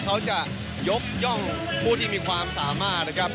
เขาจะยกย่องผู้ที่มีความสามารถนะครับ